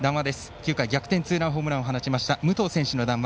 ９回逆転ツーランホームランを打ちました武藤選手の談話